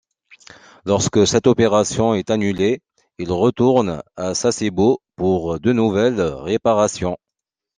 Lorsque cette opération est annulée, il retourne à Sasebo pour de nouvelles réparations.